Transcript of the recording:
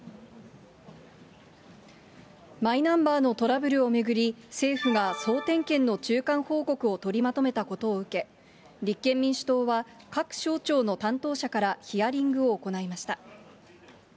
マイナンバーのトラブルを巡り、政府が総点検の中間報告を取りまとめたことを受け、立憲民主党は、各省庁の担当者からヒアリングを行いました。